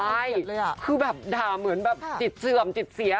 ใช่คือแบบด่าเหมือนแบบจิตเสื่อมจิตเสีย